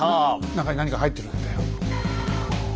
中に何か入ってるんだよ。